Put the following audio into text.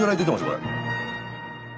これ。